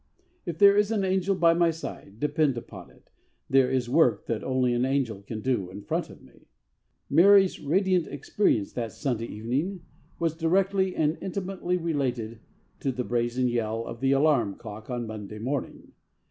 If there is an angel by my side, depend upon it, there is work that only an angel can do in front of me. Mary's radiant experience that Sunday evening was directly and intimately related with the brazen yell of the alarum clock on Monday morning.